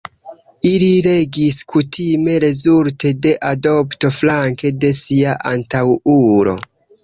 Ili regis kutime rezulte de adopto flanke de sia antaŭulo.